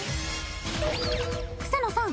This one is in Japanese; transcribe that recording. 草野さん！